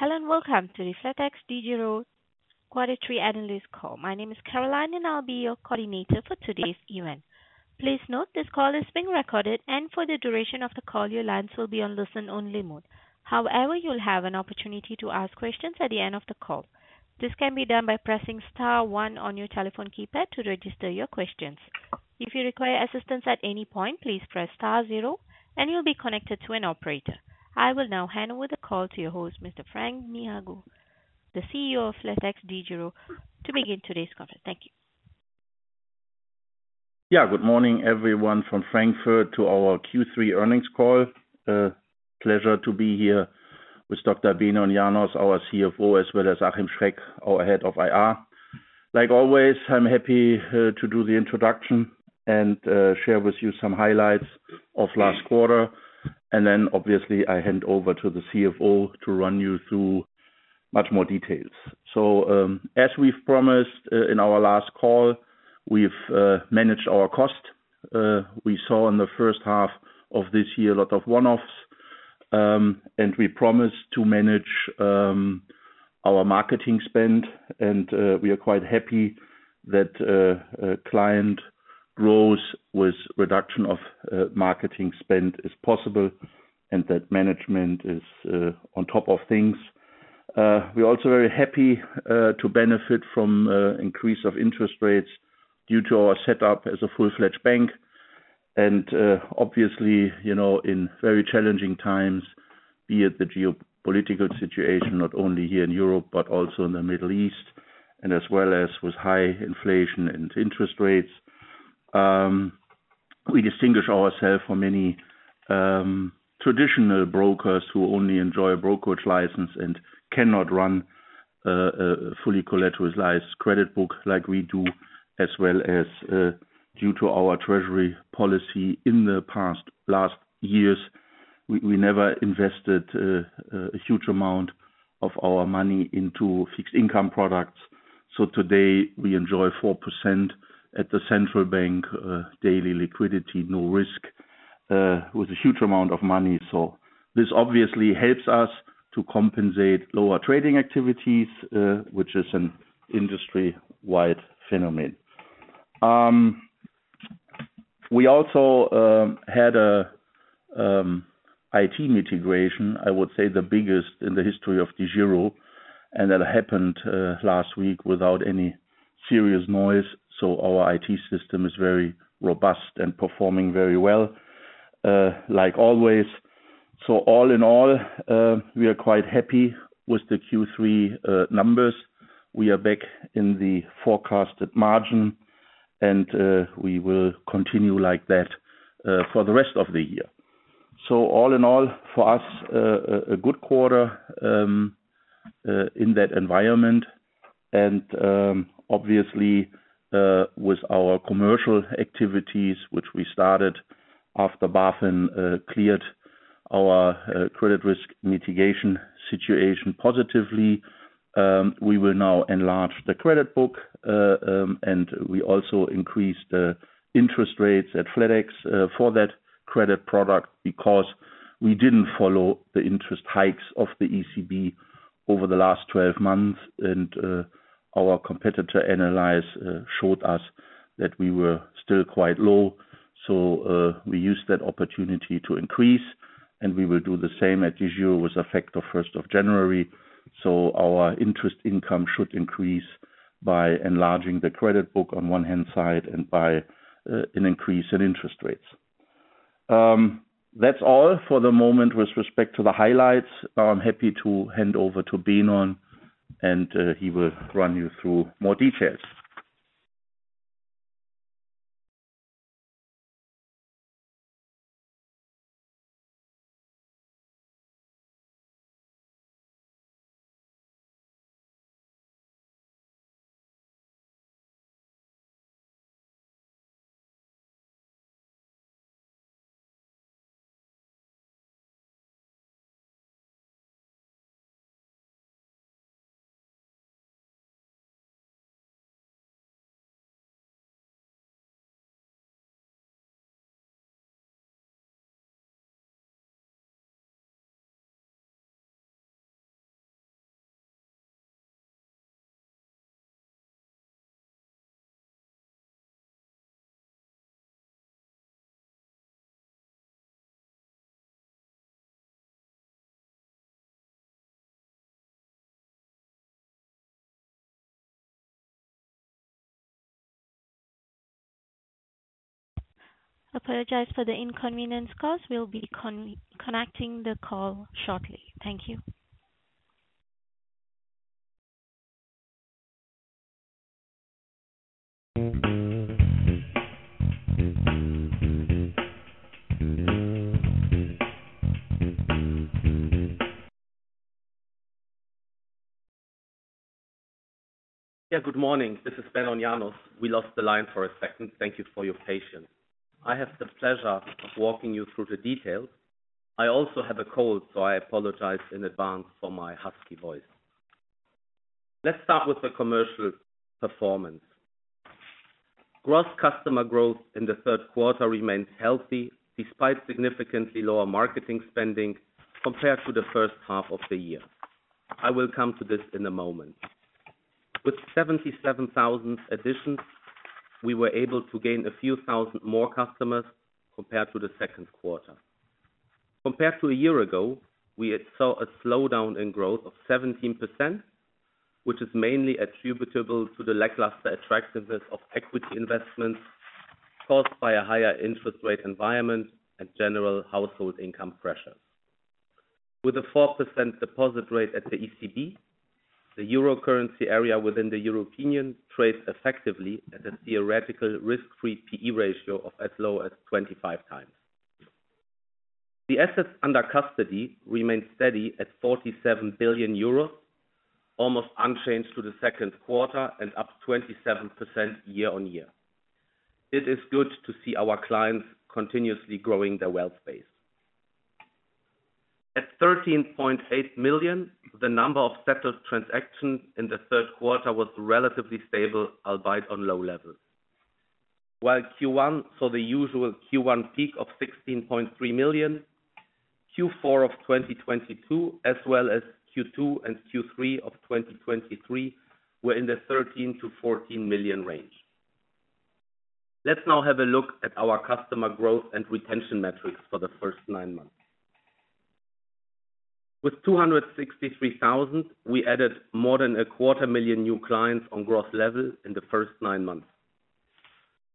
Hello, and welcome to the flatexDEGIRO Quarter Three Earnings Call. My name is Caroline, and I'll be your coordinator for today's event. Please note, this call is being recorded, and for the duration of the call, your lines will be on listen-only mode. However, you'll have an opportunity to ask questions at the end of the call. This can be done by pressing star one on your telephone keypad to register your questions. If you require assistance at any point, please press star zero, and you'll be connected to an operator. I will now hand over the call to your host, Mr. Frank Niehage, the CEO of flatexDEGIRO, to begin today's conference. Thank you. Yeah, good morning, everyone from Frankfurt to our Q3 earnings call. Pleasure to be here with Dr. Benon Janos, our CFO, as well as Achim Schreck, our head of IR. Like always, I'm happy to do the introduction and share with you some highlights of last quarter, and then obviously I hand over to the CFO to run you through much more details. So, as we've promised in our last call, we've managed our cost. We saw in the H1 of this year a lot of one-offs, and we promised to manage our marketing spend. And we are quite happy that a client growth with reduction of marketing spend is possible and that management is on top of things. We're also very happy to benefit from increase of interest rates due to our setup as a full-fledged bank. And obviously, you know, in very challenging times, be it the geopolitical situation, not only here in Europe, but also in the Middle East, and as well as with high inflation and interest rates. We distinguish ourselves from many traditional brokers who only enjoy a brokerage license and cannot run a fully collateralized credit book like we do, as well as due to our treasury policy in the past last years, we never invested a huge amount of our money into fixed income products. So today we enjoy 4% at the central bank daily liquidity, no risk with a huge amount of money. So this obviously helps us to compensate lower trading activities, which is an industry-wide phenomenon. We also had an IT integration, I would say, the biggest in the history of DEGIRO, and that happened last week without any serious noise. So our IT system is very robust and performing very well, like always. So all in all, we are quite happy with the Q3 numbers. We are back in the forecasted margin, and we will continue like that for the rest of the year. So all in all, for us, a good quarter in that environment. Obviously, with our commercial activities, which we started after BaFin cleared our credit risk mitigation situation positively, we will now enlarge the credit book. We also increased interest rates at flatex for that credit product because we didn't follow the interest hikes of the ECB over the last 12 months. Our competitor analysis showed us that we were still quite low, so we used that opportunity to increase, and we will do the same at DEGIRO with effect of first of January. So our interest income should increase by enlarging the credit book on one hand side and by an increase in interest rates. That's all for the moment with respect to the highlights. Now I'm happy to hand over to Benon, and he will run you through more details. Apologize for the inconvenience, guys. We'll be connecting the call shortly. Thank you. Yeah, good morning. This is Benon Janos. We lost the line for a second. Thank you for your patience. I have the pleasure of walking you through the details. I also have a cold, so I apologize in advance for my husky voice. Let's start with the commercial performance. Gross customer growth in the third quarter remains healthy, despite significantly lower marketing spending compared to the first half of the year. I will come to this in a moment. With 77,000 additions, we were able to gain a few thousand more customers compared to the second quarter. Compared to a year ago, we had saw a slowdown in growth of 17%, which is mainly attributable to the lackluster attractiveness of equity investments caused by a higher interest rate environment and general household income pressures. With a 4% deposit rate at the ECB, the Euro currency area within the European Union trades effectively at a theoretical risk-free PE ratio of as low as 25x. The assets under custody remain steady at 47 billion euros, almost unchanged to the second quarter and up 27% year-on-year. It is good to see our clients continuously growing their wealth base. At 13.8 million, the number of settled transactions in the third quarter was relatively stable, albeit on low levels. While Q1 saw the usual Q1 peak of 16.3 million, Q4 of 2022, as well as Q2 and Q3 of 2023, were in the 13-14 million range. Let's now have a look at our customer growth and retention metrics for the first nine months. With 263,000, we added more than 250,000 new clients on growth level in the first nine months.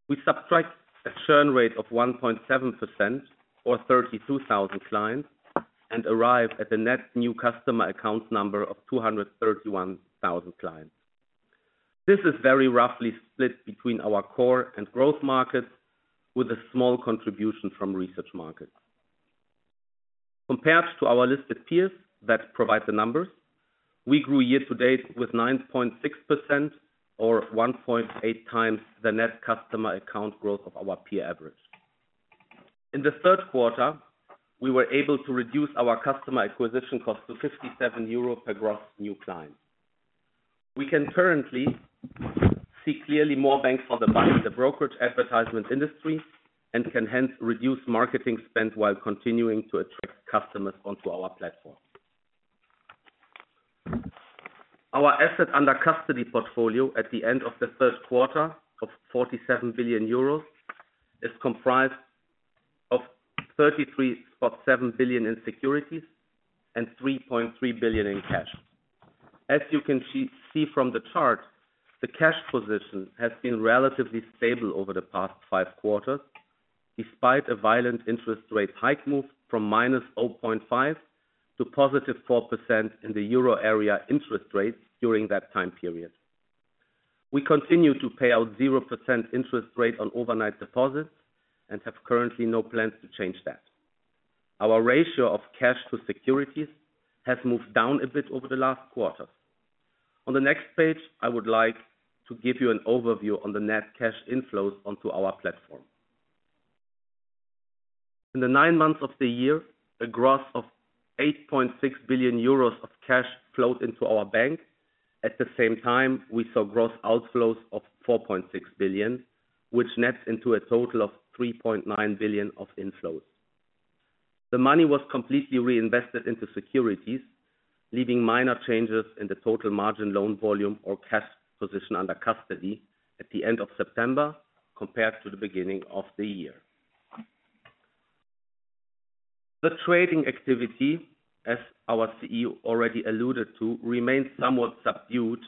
We subtract a churn rate of 1.7% or 32,000 clients, and arrive at a net new customer account number of 231,000 clients. This is very roughly split between our core and growth markets, with a small contribution from research markets. Compared to our listed peers that provide the numbers, we grew year-to-date with 9.6% or 1.8x the net customer account growth of our peer average. In the third quarter, we were able to reduce our customer acquisition cost to 57 euro per gross new client. We can currently see clearly more banks on the buy, the brokerage advertisement industry, and can hence reduce marketing spend while continuing to attract customers onto our platform. Our Assets under Custody portfolio at the end of the third quarter of 47 billion euros is comprised of 33.7 billion in securities and 3.3 billion in cash. As you can see from the chart, the cash position has been relatively stable over the past five quarters, despite a violent interest rate hike move from -0.5% to +4% in the euro area interest rates during that time period. We continue to pay out 0% interest rate on overnight deposits and have currently no plans to change that. Our ratio of cash to securities has moved down a bit over the last quarter. On the next page, I would like to give you an overview on the net cash inflows onto our platform. In the nine months of the year, a gross of 8.6 billion euros of cash flowed into our bank. At the same time, we saw gross outflows of 4.6 billion, which nets into a total of 3.9 billion of inflows. The money was completely reinvested into securities, leaving minor changes in the total margin loan volume or cash position under custody at the end of September, compared to the beginning of the year. The trading activity, as our CEO already alluded to, remains somewhat subdued,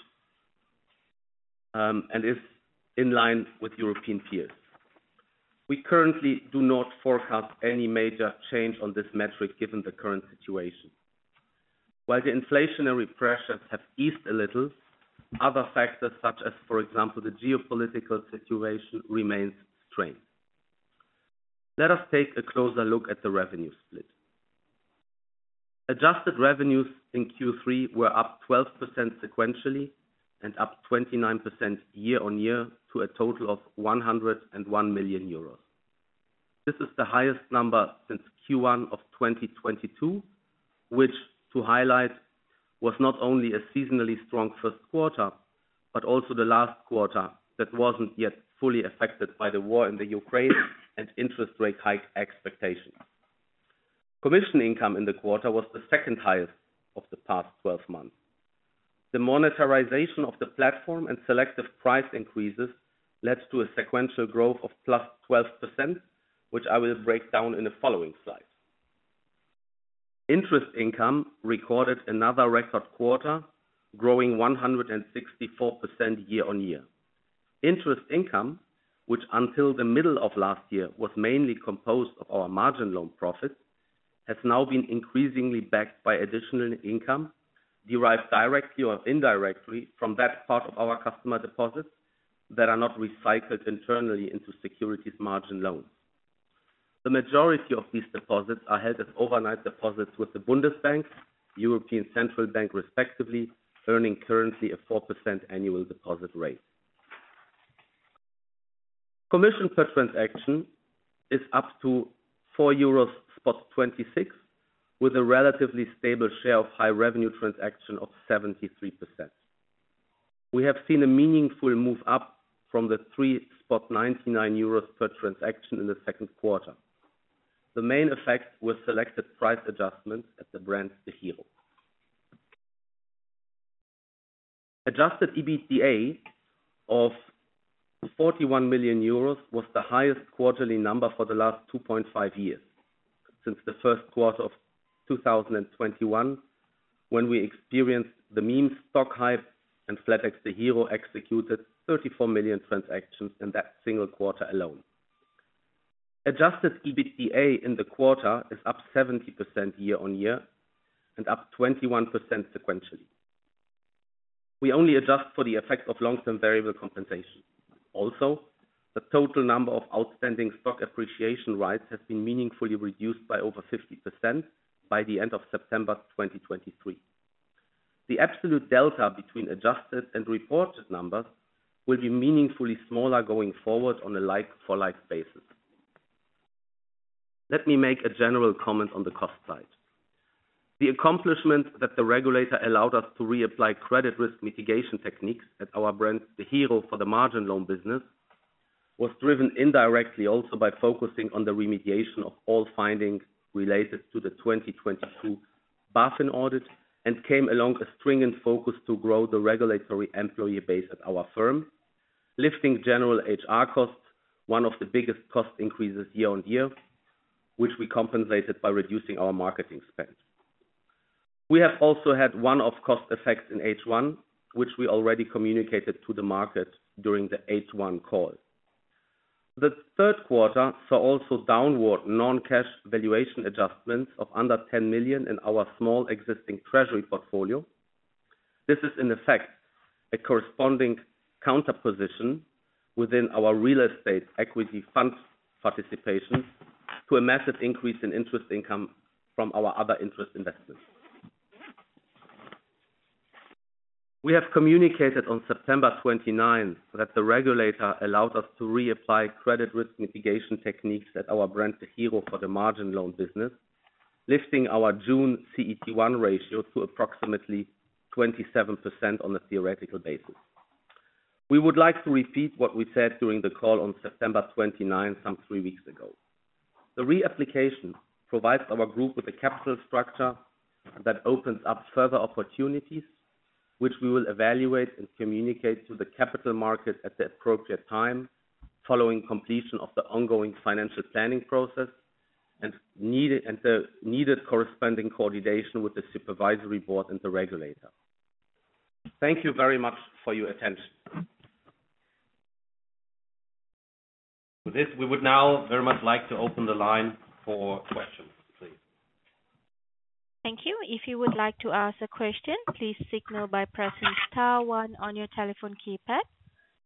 and is in line with European peers. We currently do not forecast any major change on this metric, given the current situation. While the inflationary pressures have eased a little, other factors, such as, for example, the geopolitical situation, remains strained. Let us take a closer look at the revenue split. Adjusted revenues in Q3 were up 12% sequentially and up 29% year-on-year to a total of 101 million euros. This is the highest number since Q1 of 2022, which to highlight, was not only a seasonally strong first quarter, but also the last quarter that wasn't yet fully affected by the war in the Ukraine and interest rate hike expectations. Commission income in the quarter was the second highest of the past 12 months. The monetization of the platform and selective price increases led to a sequential growth of +12%, which I will break down in the following slide. Interest income recorded another record quarter, growing 164% year-on-year. Interest income, which until the middle of last year was mainly composed of our margin loan profits, has now been increasingly backed by additional income derived directly or indirectly from that part of our customer deposits that are not recycled internally into securities margin loans. The majority of these deposits are held as overnight deposits with the Bundesbank, European Central Bank, respectively, earning currently a 4% annual deposit rate. Commission per transaction is up to 4.26 euros. with a relatively stable share of high revenue transaction of 73%. We have seen a meaningful move up from the 3.99 euros per transaction in the second quarter. The main effect was selected price adjustments at the brand, DEGIRO. Adjusted EBITDA of 41 million euros was the highest quarterly number for the last 2.5 years, since the first quarter of 2021, when we experienced the meme stock hype and flatexDEGIRO, executed 34 million transactions in that single quarter alone. Adjusted EBITDA in the quarter is up 70% year-on-year and up 21% sequentially. We only adjust for the effect of long-term variable compensation. Also, the total number of outstanding stock appreciation rights has been meaningfully reduced by over 50% by the end of September 2023. The absolute delta between adjusted and reported numbers will be meaningfully smaller going forward on a like-for-like basis. Let me make a general comment on the cost side. The accomplishment that the regulator allowed us to reapply credit risk mitigation techniques at our brand, DEGIRO, for the margin loan business, was driven indirectly also by focusing on the remediation of all findings related to the 2022 audit, and came along a stringent focus to grow the regulatory employee base at our firm. Lifting general HR costs, one of the biggest cost increases year-on-year, which we compensated by reducing our marketing spend. We have also had one-off cost effects in H1, which we already communicated to the market during the H1 call. The third quarter saw also downward non-cash valuation adjustments of under 10 million in our small existing treasury portfolio. This is in effect, a corresponding counterposition within our real estate equity fund participation to a massive increase in interest income from our other interest investors. We have communicated on September 29 that the regulator allowed us to reapply credit risk mitigation techniques at our brand, DEGIRO, for the margin loan business, lifting our June CET1 ratio to approximately 27% on a theoretical basis. We would like to repeat what we said during the call on September 29, some three weeks ago. The reapplication provides our group with a capital structure that opens up further opportunities, which we will evaluate and communicate to the capital market at the appropriate time, following completion of the ongoing financial planning process and needed, and the needed corresponding coordination with the supervisory board and the regulator. Thank you very much for your attention. With this, we would now very much like to open the line for questions, please. Thank you. If you would like to ask a question, please signal by pressing star one on your telephone keypad.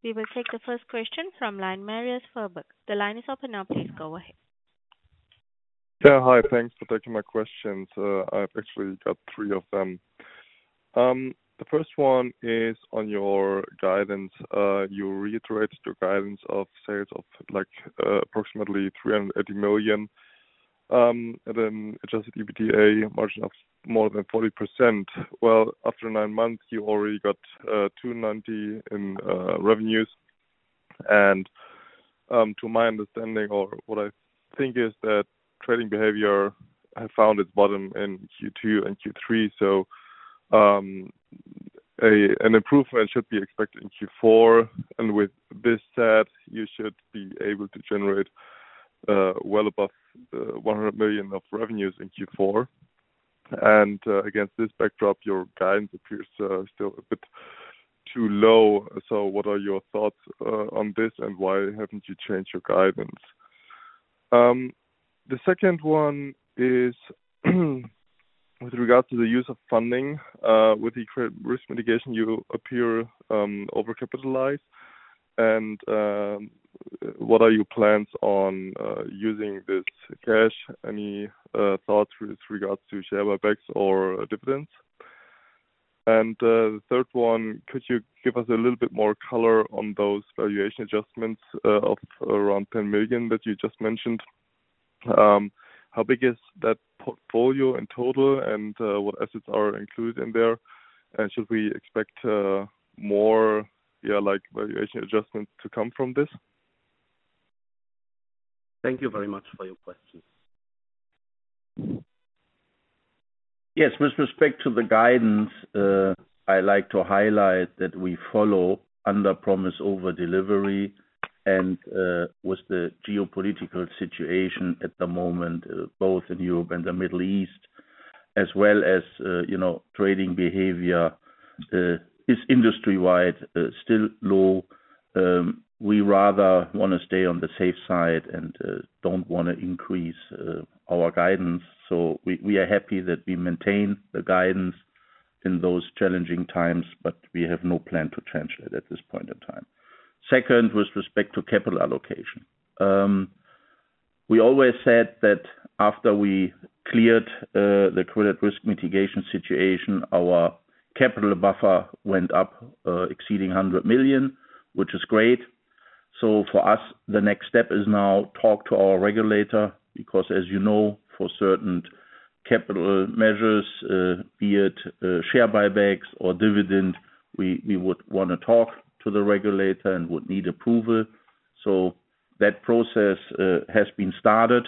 We will take the first question from line, Marius Fuhrberg. The line is open now. Please go ahead. Yeah, hi. Thanks for taking my questions. I've actually got three of them. The first one is on your guidance. You reiterated your guidance of sales of, like, approximately 380 million, and then adjusted EBITDA margin of more than 40%. Well, after nine months, you already got 290 million in revenues. And, to my understanding or what I think, is that trading behavior has found its bottom in Q2 and Q3. So, an improvement should be expected in Q4. And with this said, you should be able to generate, well above, 100 million of revenues in Q4. And, against this backdrop, your guidance appears still a bit too low. So what are your thoughts on this, and why haven't you changed your guidance? The second one is, with regards to the use of funding. With the credit risk mitigation, you appear overcapitalized. And what are your plans on using this cash? Any thoughts with regards to share buybacks or dividends? And the third one, could you give us a little bit more color on those valuation adjustments of around 10 million that you just mentioned? How big is that portfolio in total, and what assets are included in there? And should we expect more, yeah, like, valuation adjustments to come from this? Thank you very much for your questions. Yes, with respect to the guidance, I like to highlight that we follow under promise, over delivery and, with the geopolitical situation at the moment, both in Europe and the Middle East, as well as, you know, trading behavior is industry-wide, still low. We rather want to stay on the safe side and, don't want to increase our guidance. So we, we are happy that we maintain the guidance in those challenging times, but we have no plan to change it at this point in time. Second, with respect to capital allocation. We always said that after we cleared the Credit Risk Mitigation situation, our capital buffer went up, exceeding 100 million, which is great. So for us, the next step is now talk to our regulator, because as you know, for certain capital measures, be it, share buybacks or dividends, we would wanna talk to the regulator and would need approval. So that process has been started.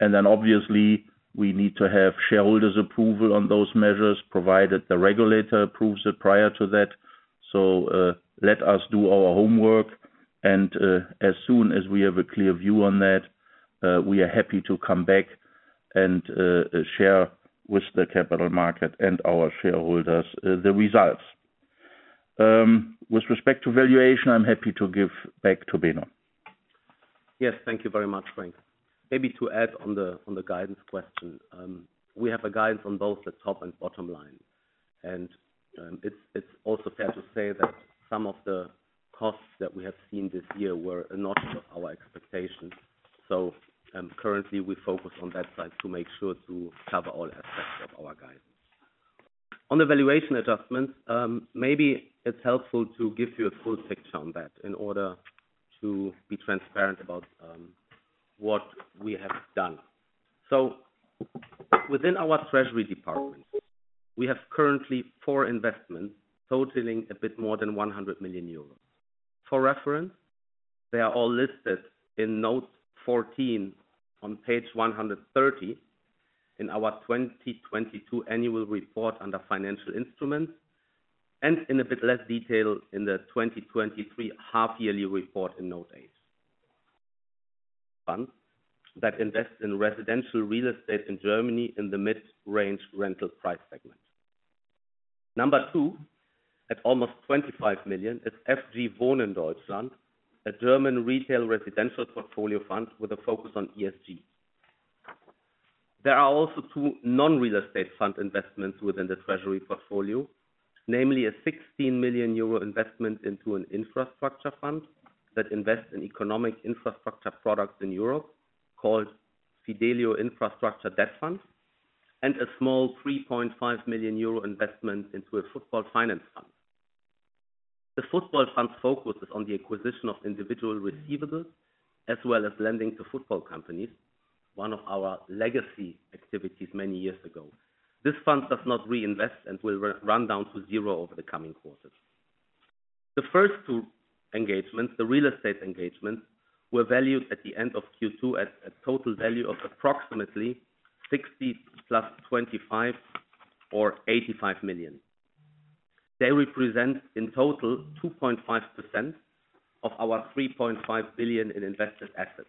And then obviously we need to have shareholders approval on those measures, provided the regulator approves it prior to that. So let us do our homework and as soon as we have a clear view on that, we are happy to come back and share with the capital market and our shareholders the results. With respect to valuation, I'm happy to give back to Benon. Yes. Thank you very much, Frank. Maybe to add on the guidance question, we have a guidance on both the top and bottom line. And, it's also fair to say that some of the costs that we have seen this year were not of our expectations. So, currently we focus on that side to make sure to cover all aspects of our guidance. On the valuation adjustments, maybe it's helpful to give you a full picture on that in order to be transparent about what we have done. So within our treasury department, we have currently four investments totaling a bit more than 100 million euros. For reference, they are all listed in note 14 on page 130 in our 2022 annual report, under financial instruments, and in a bit less detail in the 2023 half-yearly report in those days. Funds that invest in residential real estate in Germany, in the mid-range rental price segment. Number two, at almost 25 million, is Fokus Wohnen Deutschland, a German retail residential portfolio fund with a focus on ESG. There are also two non-real estate fund investments within the treasury portfolio, namely a 16 million euro investment into an infrastructure fund that invests in economic infrastructure products in Europe, called Fidelio Infrastructure Debt Fund. And a small 3.5 million euro investment into a football finance fund. The football fund focuses on the acquisition of individual receivables, as well as lending to football companies, one of our legacy activities many years ago. This fund does not reinvest and will run down to zero over the coming quarters. The first two engagements, the real estate engagements, were valued at the end of Q2 at a total value of approximately 60 + 25 or 85 million. They represent, in total, 2.5% of our 3.5 billion in invested assets.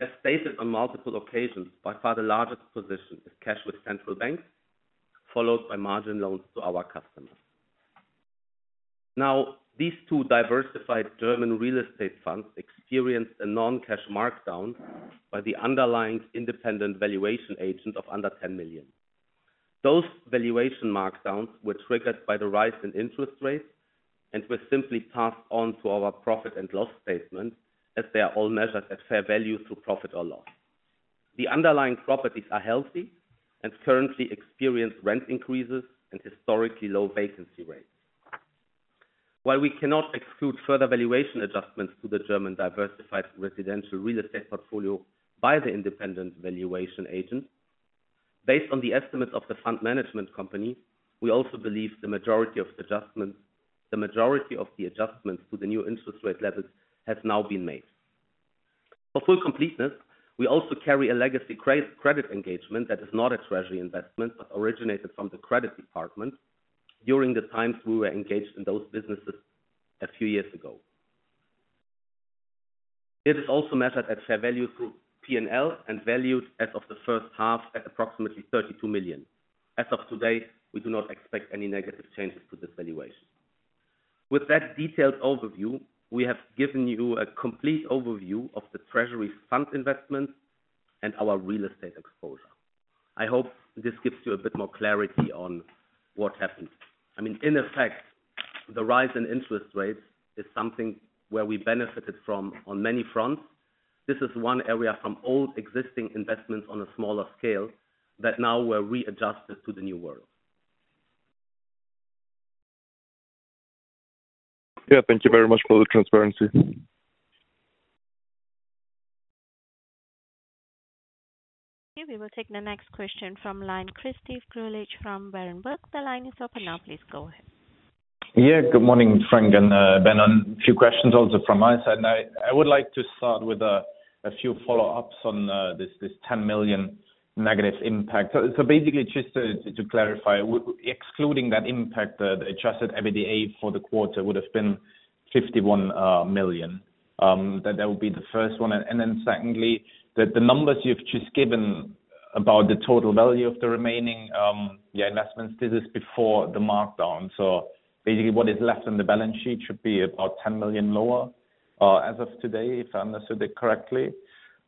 As stated on multiple occasions, by far the largest position is cash with central banks, followed by margin loans to our customers. Now, these two diversified German real estate funds experienced a non-cash markdown by the underlying independent valuation agent of under 10 million. Those valuation markdowns were triggered by the rise in interest rates, and were simply passed on to our profit and loss statement, as they are all measured at fair value to profit or loss. The underlying properties are healthy, and currently experience rent increases and historically low vacancy rates. While we cannot exclude further valuation adjustments to the German diversified residential real estate portfolio by the independent valuation agent, based on the estimate of the fund management company, we also believe the majority of the adjustments, the majority of the adjustments to the new interest rate levels has now been made. For full completeness, we also carry a legacy credit engagement that is not a treasury investment, but originated from the credit department during the times we were engaged in those businesses a few years ago. It is also measured at Fair Value through P&L and valued as of the H1, at approximately 32 million. As of today, we do not expect any negative changes to this valuation. With that detailed overview, we have given you a complete overview of the treasury fund investment and our real estate exposure. I hope this gives you a bit more clarity on what happened. I mean, in effect, the rise in interest rates is something where we benefited from on many fronts. This is one area from old existing investments on a smaller scale, that now we're readjusted to the new world. Yeah, thank you very much for the transparency. Okay, we will take the next question from line, Christoph Greulich from Berenberg. The line is open now, please go ahead. Yeah, good morning, Frank and Benon. A few questions also from my side. I would like to start with a few follow-ups on this 10 million negative impact. So basically just to clarify, excluding that impact, the adjusted EBITDA for the quarter would have been 51 million. That would be the first one. Then secondly, the numbers you've just given about the total value of the remaining investments, this is before the markdown. So basically, what is left on the balance sheet should be about 10 million lower as of today, if I understood it correctly.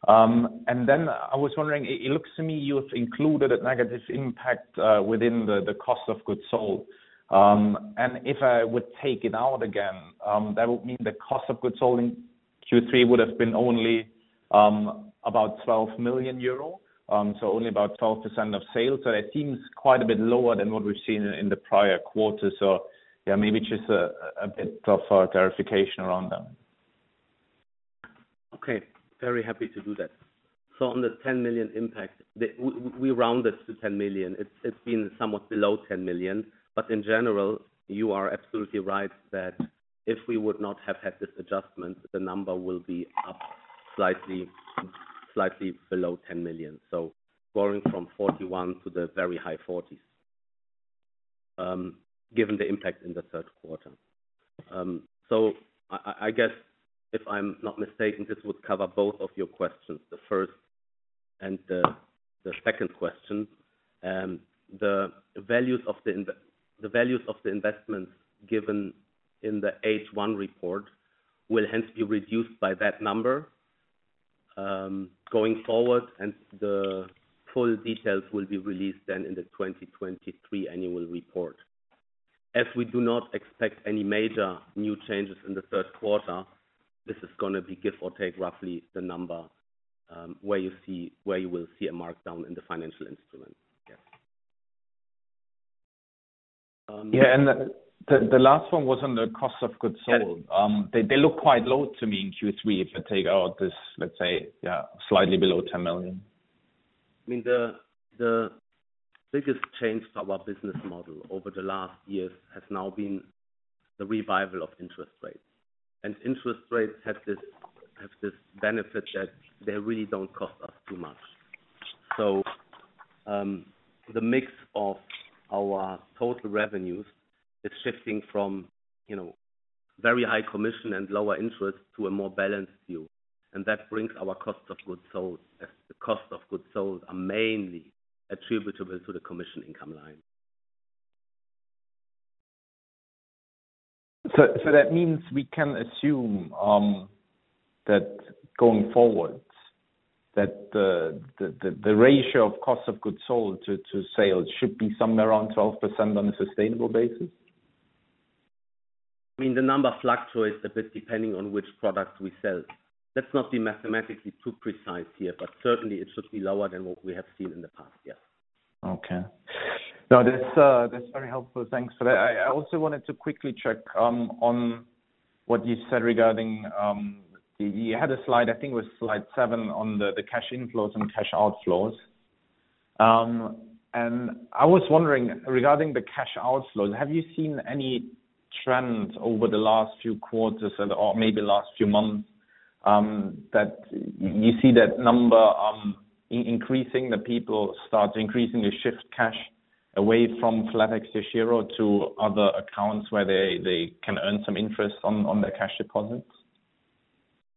And then I was wondering, it looks to me you've included a negative impact within the cost of goods sold. And if I would take it out again, that would mean the cost of goods sold in Q3 would have been only about 12 million euro, so only about 12% of sales. So yeah, maybe just a bit of clarification around that. Okay. Very happy to do that. So on the 10 million impact, we rounded to 10 million. It's been somewhat below 10 million, but in general, you are absolutely right that if we would not have had this adjustment, the number will be up slightly, slightly below 10 million. So growing from 41 million to the very high EUR 40s million, given the impact in the third quarter. So I guess, if I'm not mistaken, this would cover both of your questions, the first and the second question. The values of the investments given in the H1 report will hence be reduced by that number, going forward, and the full details will be released then in the 2023 annual report. As we do not expect any major new changes in the third quarter, this is gonna be give or take, roughly the number where you will see a markdown in the financial instrument. Yes. Yeah, and the last one was on the cost of goods sold. They look quite low to me in Q3. If I take out this, let's say, yeah, slightly below 10 million. I mean, the biggest change to our business model over the last years has now been the revival of interest rates. And interest rates have this benefit that they really don't cost us too much. So, the mix of our total revenues is shifting from, you know, very high commission and lower interest to a more balanced view. And that brings our cost of goods sold, as the cost of goods sold are mainly attributable to the commission income line. That means we can assume that going forward, that the ratio of cost of goods sold to sales should be somewhere around 12% on a sustainable basis? I mean, the number fluctuates a bit depending on which products we sell. Let's not be mathematically too precise here, but certainly it should be lower than what we have seen in the past. Yes. Okay. No, that's very helpful. Thanks for that. I also wanted to quickly check on what you said regarding you had a slide, I think it was slide seven, on the cash inflows and cash outflows. And I was wondering, regarding the cash outflows, have you seen any trends over the last few quarters and or maybe last few months that you see that number increasing, the people start increasing the shift cash away from flatexDEGIRO to other accounts where they can earn some interest on their cash deposits?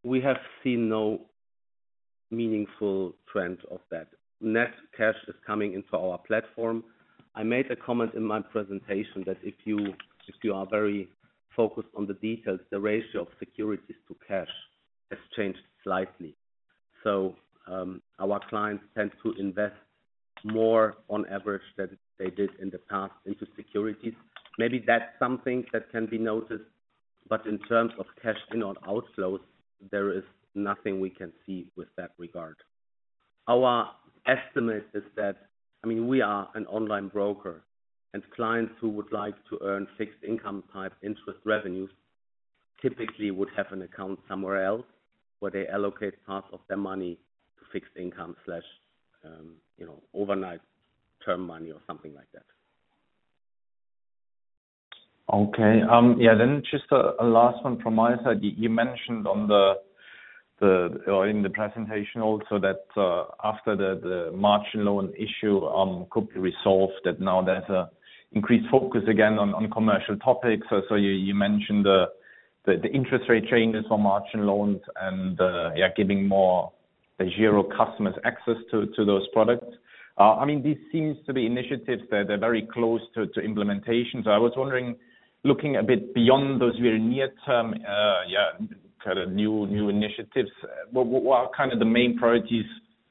We have seen no meaningful trend of that. Net cash is coming into our platform. I made a comment in my presentation that if you, if you are very focused on the details, the ratio of securities to cash has changed slightly. So, our clients tend to invest more on average than they did in the past into securities. Maybe that's something that can be noticed, but in terms of cash in or outflows, there is nothing we can see with that regard. Our estimate is that, I mean, we are an online broker, and clients who would like to earn fixed income type interest revenues typically would have an account somewhere else, where they allocate part of their money to fixed income slash, you know, overnight term money or something like that. Okay. Yeah, then just a last one from my side. You mentioned on the or in the presentation also that after the margin loan issue could be resolved, that now there's an increased focus again on commercial topics. So you mentioned the interest rate changes on margin loans and, yeah, giving more DEGIRO customers access to those products. I mean, this seems to be initiatives that are very close to implementation. So I was wondering, looking a bit beyond those very near-term, yeah, kind of new initiatives, what are kind of the main priorities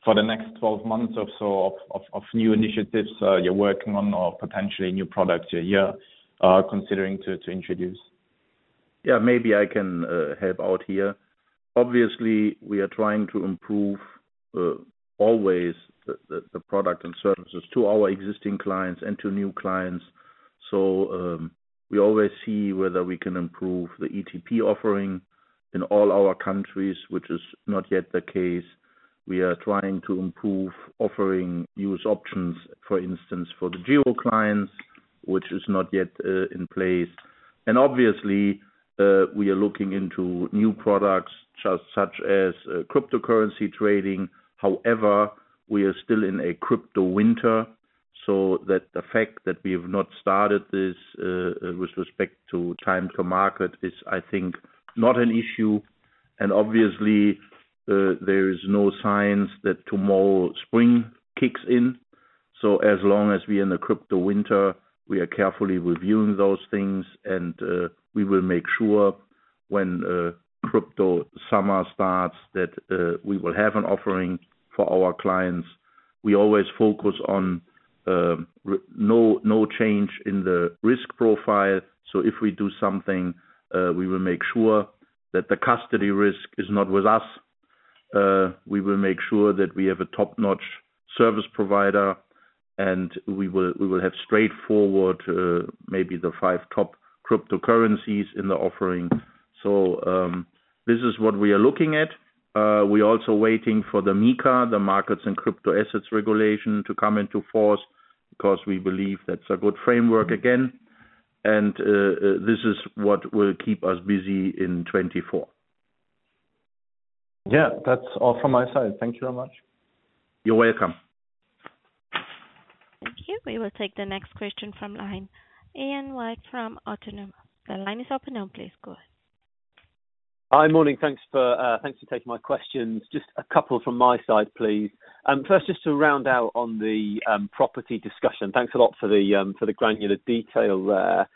for the next 12 months of new initiatives you're working on or potentially new products you're considering to introduce? Yeah, maybe I can help out here. Obviously, we are trying to improve always the product and services to our existing clients and to new clients. So, we always see whether we can improve the ETP offering in all our countries, which is not yet the case. We are trying to improve offering use options, for instance, for the DEGIRO clients, which is not yet in place. And obviously, we are looking into new products, such as cryptocurrency trading. However, we are still in a crypto winter, so that the fact that we have not started this with respect to time to market is, I think, not an issue. And obviously, there is no signs that tomorrow spring kicks in. So as long as we are in the crypto winter, we are carefully reviewing those things and, we will make sure when, crypto summer starts, that, we will have an offering for our clients.... We always focus on, no, no change in the risk profile. So if we do something, we will make sure that the custody risk is not with us. We will make sure that we have a top-notch service provider, and we will, we will have straightforward, maybe the five top cryptocurrencies in the offering. So, this is what we are looking at. We're also waiting for the MiCA, the Markets in Crypto-Assets Regulation, to come into force, 'cause we believe that's a good framework again, and, this is what will keep us busy in 2024. Yeah, that's all from my side. Thank you very much. You're welcome. Thank you. We will take the next question from the line. Ian White from Autonomous. The line is open now, please go ahead. Hi, morning. Thanks for taking my questions. Just a couple from my side, please. First, just to round out on the property discussion. Thanks a lot for the granular detail there.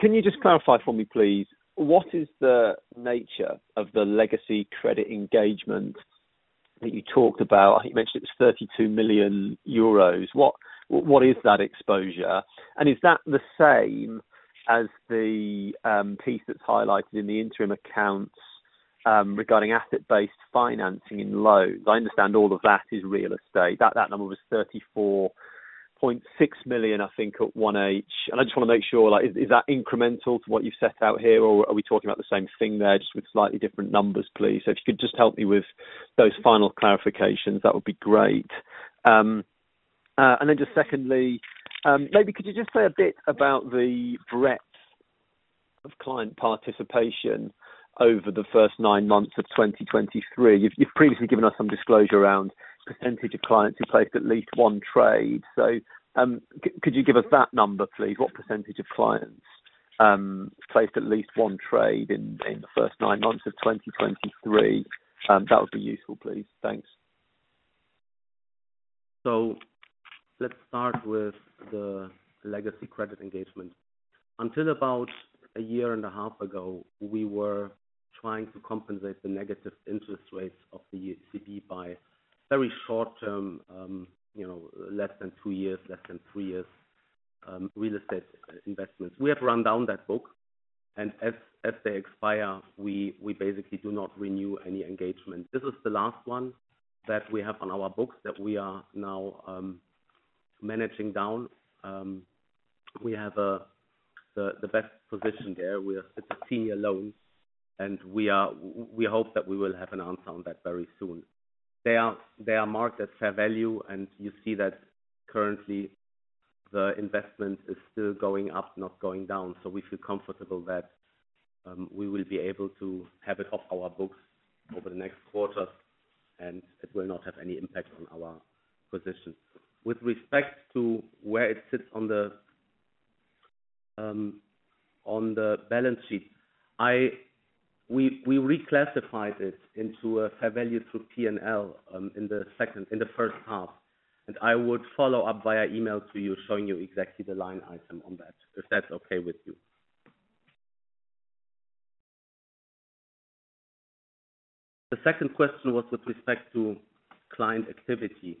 Can you just clarify for me, please, what is the nature of the legacy credit engagement that you talked about? I think you mentioned it was 32 million euros. What, what is that exposure? And is that the same as the piece that's highlighted in the interim accounts, regarding asset-based financing in loans? I understand all of that is real estate. That, that number was 34.6 million, I think, at 1H. And I just wanna make sure, like, is, is that incremental to what you've set out here? Or are we talking about the same thing there, just with slightly different numbers, please? So if you could just help me with those final clarifications, that would be great. And then just secondly, maybe could you just say a bit about the breadth of client participation over the first nine months of 2023? You've previously given us some disclosure around percentage of clients who placed at least one trade. Could you give us that number, please? What percentage of clients placed at least one trade in the first nine months of 2023? That would be useful, please. Thanks. So let's start with the legacy credit engagement. Until about a year and a half ago, we were trying to compensate the negative interest rates of the ECB by very short-term, you know, less than 2 years, less than 3 years, real estate investments. We have run down that book, and as they expire, we basically do not renew any engagement. This is the last one that we have on our books that we are now managing down. We have the best position there. We are sitting alone, and we hope that we will have an answer on that very soon. They are marked at fair value, and you see that currently the investment is still going up, not going down. We feel comfortable that we will be able to have it off our books over the next quarter, and it will not have any impact on our position. With respect to where it sits on the balance sheet, we reclassified it into a fair value through P&L in the second, in the H1. I would follow up via email to you, showing you exactly the line item on that, if that's okay with you. The second question was with respect to client activity.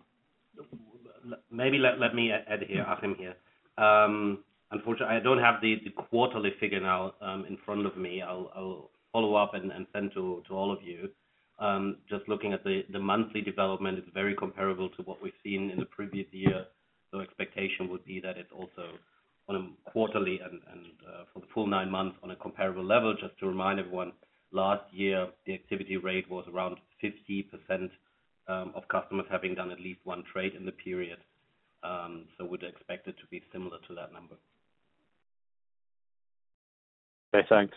Maybe let me add here, Achim here. Unfortunately, I don't have the quarterly figure now in front of me. I'll follow up and send to all of you. Just looking at the monthly development, it's very comparable to what we've seen in the previous year. So expectation would be that it's also on a quarterly and for the full nine months on a comparable level. Just to remind everyone, last year, the activity rate was around 50% of customers having done at least one trade in the period. So would expect it to be similar to that number. Okay, thanks.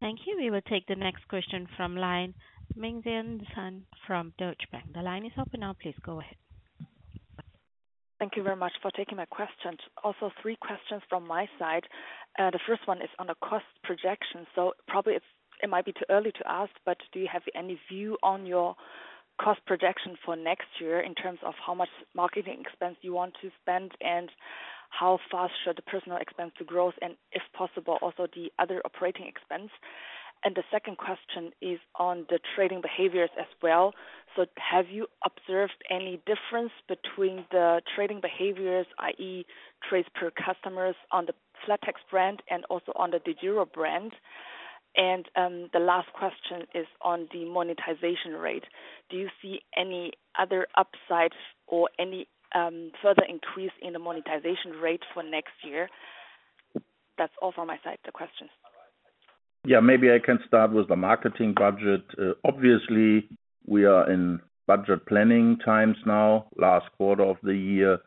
Thank you. We will take the next question from line. Mengxian Sun from Deutsche Bank. The line is open now. Please go ahead. Thank you very much for taking my questions. Also, three questions from my side. The first one is on the cost projection. So probably it's, it might be too early to ask, but do you have any view on your cost projection for next year in terms of how much marketing expense you want to spend, and how fast should the personal expense growth, and if possible, also the other operating expense? And the second question is on the trading behaviors as well. So have you observed any difference between the trading behaviors, i.e., trades per customers on the flatex brand and also on the DEGIRO brand? And the last question is on the monetization rate. Do you see any other upsides or any further increase in the monetization rate for next year? That's all from my side, the questions. Yeah, maybe I can start with the marketing budget. Obviously, we are in budget planning times now, last quarter of the year.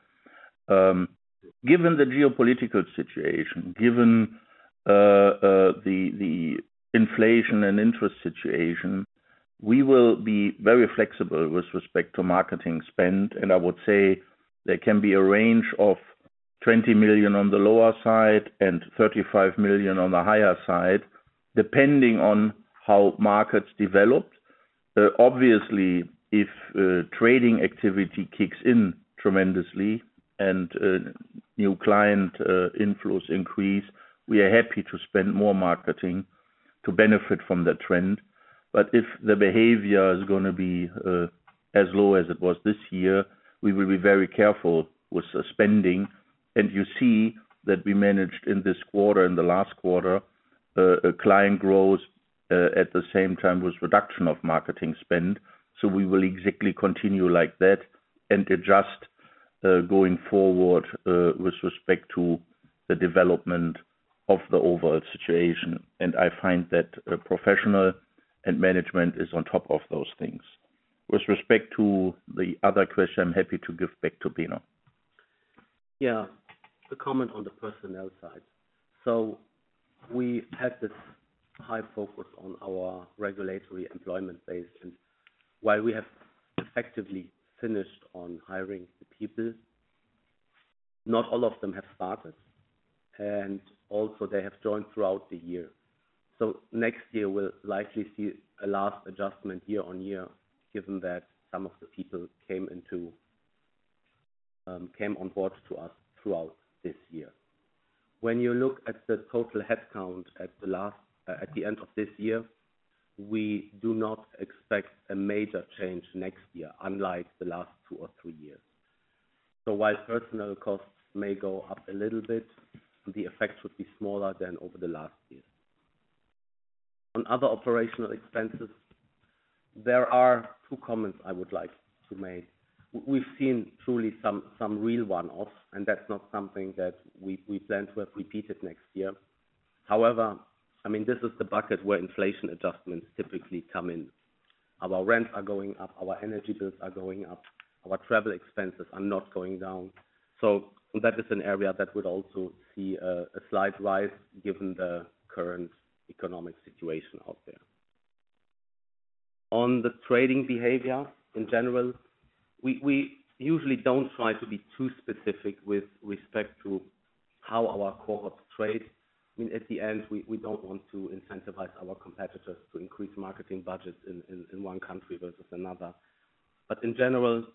Given the geopolitical situation, given the inflation and interest situation, we will be very flexible with respect to marketing spend. And I would say there can be a range of 20 million-35 million, depending on how markets develop. Obviously, if trading activity kicks in tremendously and new client inflows increase, we are happy to spend more marketing to benefit from the trend. But if the behavior is gonna be as low as it was this year, we will be very careful with spending. You see that we managed in this quarter and the last quarter a client growth at the same time with reduction of marketing spend. So we will exactly continue like that and adjust going forward with respect to the development of the overall situation. And I find that professional and management is on top of those things. With respect to the other question, I'm happy to give back to Benon. Yeah. A comment on the personnel side. So we had this high focus on our regulatory employment base, and while we have effectively finished on hiring the people, not all of them have started, and also they have joined throughout the year. So next year we'll likely see a last adjustment year on year, given that some of the people came on board to us throughout this year. When you look at the total headcount at the end of this year, we do not expect a major change next year, unlike the last two or three years. So while personnel costs may go up a little bit, the effect should be smaller than over the last year. On other operational expenses, there are two comments I would like to make. We've seen truly some real one-offs, and that's not something that we plan to have repeated next year. However, I mean, this is the bucket where inflation adjustments typically come in. Our rents are going up, our energy bills are going up, our travel expenses are not going down. So that is an area that would also see a slight rise given the current economic situation out there. On the trading behavior in general, we usually don't try to be too specific with respect to how our cohorts trade. I mean, at the end, we don't want to incentivize our competitors to increase marketing budgets in one country versus another. But in general,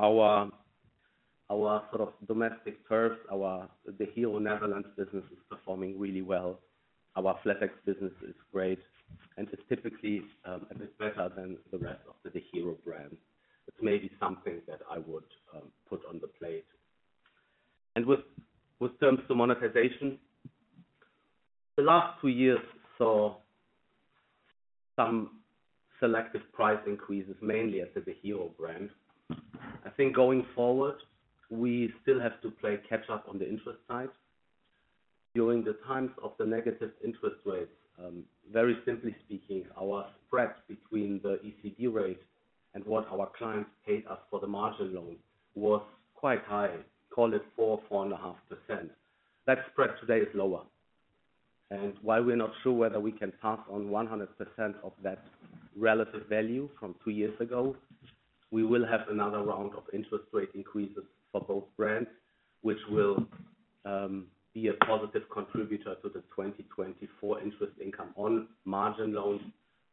our sort of domestic turf, our the DEGIRO Netherlands business is performing really well. Our flatex business is great, and it's typically a bit better than the rest of the DEGIRO brand. It's maybe something that I would put on the plate. And with terms to monetization, the last two years saw some selective price increases, mainly at the DEGIRO brand. I think going forward, we still have to play catch-up on the interest side. During the times of the negative interest rates, very simply speaking, our spread between the ECB rate and what our clients paid us for the margin loan was quite high. Call it 4%-4.5%. That spread today is lower, and while we're not sure whether we can pass on 100% of that relative value from two years ago, we will have another round of interest rate increases for both brands, which will be a positive contributor to the 2024 interest income on margin loans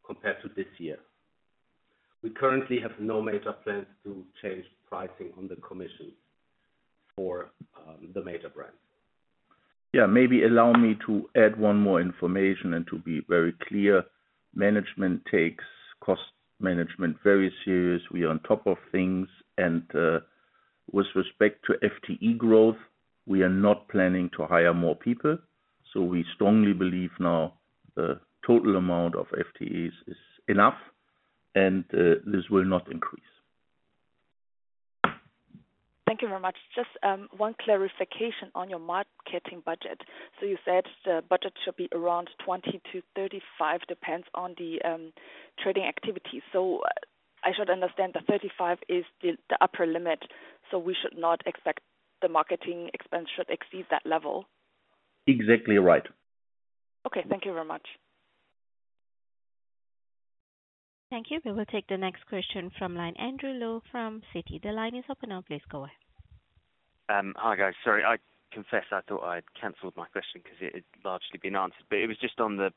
compared to this year. We currently have no major plans to change pricing on the commission for the major brands. Yeah, maybe allow me to add one more information and to be very clear, management takes cost management very serious. We are on top of things, and with respect to FTE growth, we are not planning to hire more people. So we strongly believe now the total amount of FTEs is enough and this will not increase. Thank you very much. Just one clarification on your marketing budget. So you said the budget should be around 20-35, depends on the trading activity. So I should understand the 35 million is the upper limit, so we should not expect the marketing expense should exceed that level? Exactly right. Okay, thank you very much. Thank you. We will take the next question from line, Andrew Lowe from Citi. The line is open now, please go ahead. Hi, guys. Sorry, I confess, I thought I'd canceled my question because it had largely been answered. But it was just on the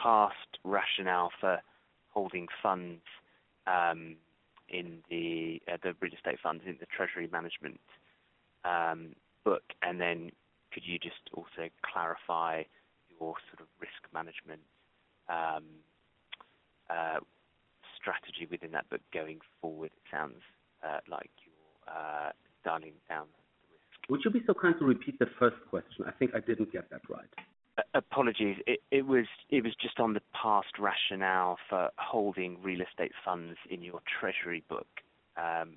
past rationale for holding funds in the real estate funds in the treasury management book. And then could you just also clarify your sort of risk management strategy within that book going forward? It sounds like you're dialing down the risk. Would you be so kind to repeat the first question? I think I didn't get that right. Apologies. It was just on the past rationale for holding real estate funds in your treasury book. Okay.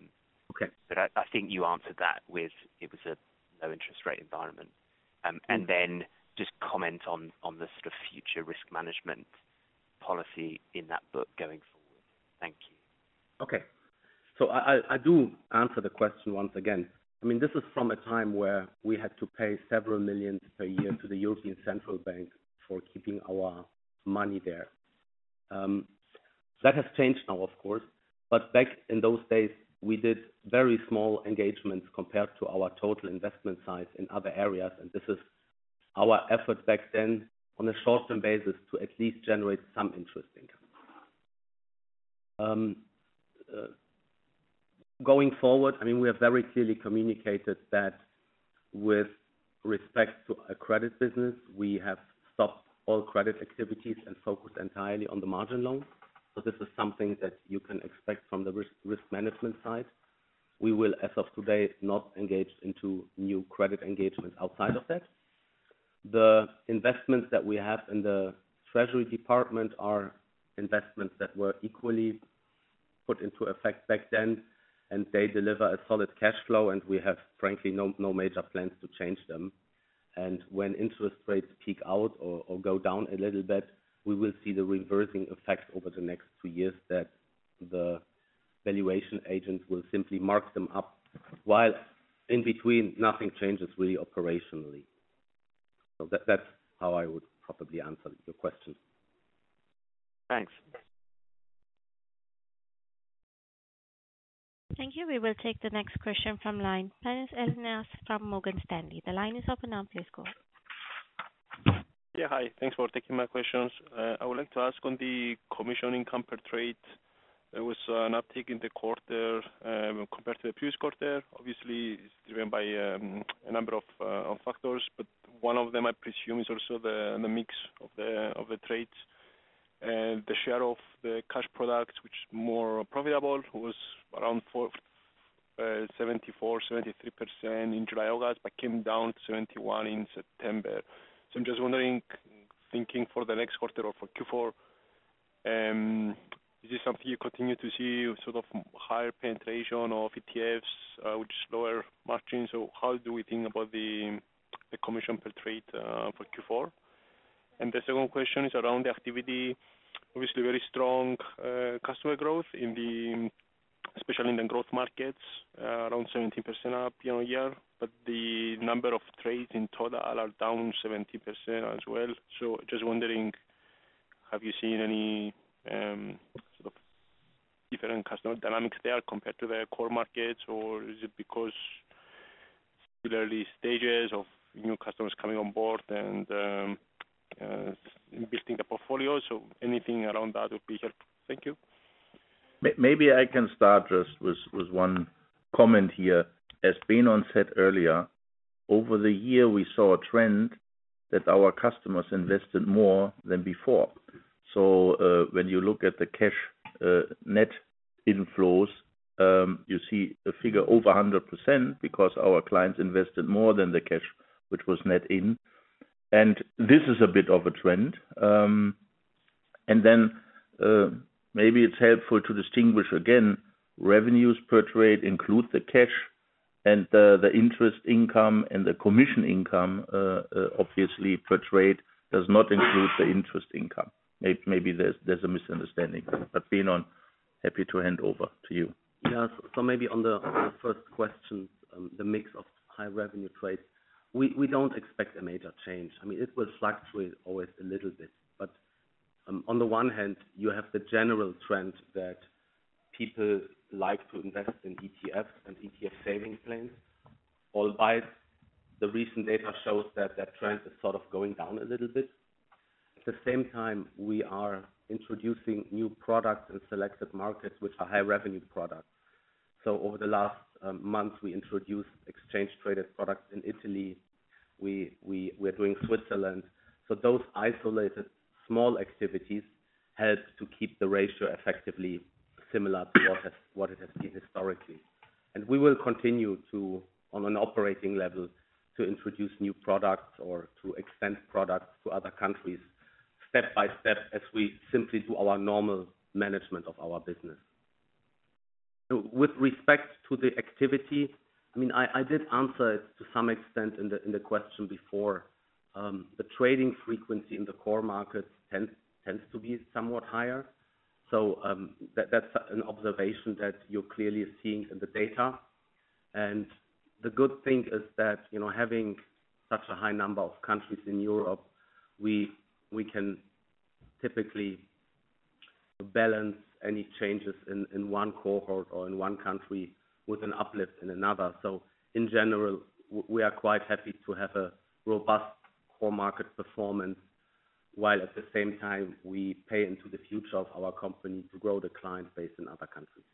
But I think you answered that with it was a low interest rate environment. And then just comment on the sort of future risk management policy in that book going forward. Thank you. Okay. So I do answer the question once again. I mean, this is from a time where we had to pay several million EUR per year to the European Central Bank for keeping our money there. That has changed now, of course, but back in those days, we did very small engagements compared to our total investment size in other areas, and this is our effort back then, on a short-term basis, to at least generate some interest income. Going forward, I mean, we have very clearly communicated that with respect to a credit business, we have stopped all credit activities and focused entirely on the margin loans. So this is something that you can expect from the risk management side. We will, as of today, not engage into new credit engagements outside of that. The investments that we have in the treasury department are investments that were equally put into effect back then, and they deliver a solid cash flow, and we have frankly, no, no major plans to change them. And when interest rates peak out or, or go down a little bit, we will see the reversing effect over the next two years, that the valuation agents will simply mark them up, while in between nothing changes really operationally. So that, that's how I would probably answer your question. Thanks. Thank you. We will take the next question from line. Panos Ellinas from Morgan Stanley. The line is open now, please go ahead. Yeah, hi. Thanks for taking my questions. I would like to ask on the commission per trade, there was an uptick in the quarter, compared to the previous quarter. Obviously, it's driven by a number of factors, but one of them, I presume, is also the mix of the trades and the share of the cash products which more profitable, was around 74%, 73% in July, August, but came down to 71% in September. So I'm just wondering, thinking for the next quarter or for Q4, is this something you continue to see, sort of higher penetration of ETFs, which is lower margins? So how do we think about the commission per trade for Q4? And the second question is around the activity. Obviously, very strong customer growth in the especially in the growth markets around 70% up year-on-year, but the number of trades in total are down 70% as well. So just wondering, have you seen any sort of different customer dynamics there compared to the core markets, or is it because the early stages of new customers coming on board and investing the portfolio? So anything around that would be helpful. Thank you. Maybe I can start just with one comment here. As Benon said earlier, over the year, we saw a trend that our customers invested more than before. So, when you look at the cash net inflows, you see a figure over 100% because our clients invested more than the cash, which was net in, and this is a bit of a trend. And then, maybe it's helpful to distinguish, again, revenues per trade include the cash and the interest income and the commission income, obviously per trade does not include the interest income. Maybe there's a misunderstanding. But Benon, happy to hand over to you. Yeah. So maybe on the first question, the mix of high revenue trades. We don't expect a major change. I mean, it will fluctuate always a little bit, but on the one hand, you have the general trend that people like to invest in ETFs and ETF savings plans, albeit the recent data shows that trend is sort of going down a little bit. At the same time, we are introducing new products in selected markets, which are high revenue products. So over the last months, we introduced exchange-traded products in Italy. We're doing Switzerland. So those isolated small activities help to keep the ratio effectively similar to what it has been historically. And we will continue to, on an operating level, to introduce new products or to extend products to other countries step by step, as we simply do our normal management of our business. So with respect to the activity, I mean, I did answer it to some extent in the question before. The trading frequency in the core markets tends to be somewhat higher. So, that, that's an observation that you're clearly seeing in the data. And the good thing is that, you know, having such a high number of countries in Europe, we can typically balance any changes in one cohort or in one country with an uplift in another. In general, we are quite happy to have a robust core market performance, while at the same time we pay into the future of our company to grow the client base in other countries.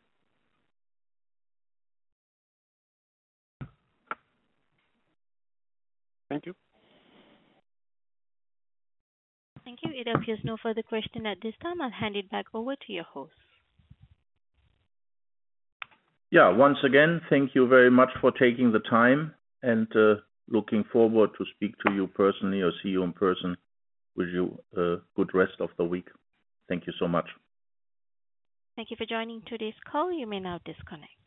Thank you. Thank you. It appears no further question at this time. I'll hand it back over to your host. Yeah. Once again, thank you very much for taking the time and looking forward to speak to you personally or see you in person. Wish you a good rest of the week. Thank you so much. Thank you for joining today's call. You may now disconnect.